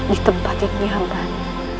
di tempat yang nyaman